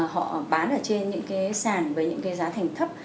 họ bán ở trên những cái sàn với những cái giá thành thấp